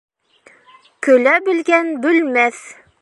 Көлә белгән бөлмәҫ.